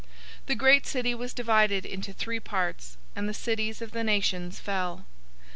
016:019 The great city was divided into three parts, and the cities of the nations fell.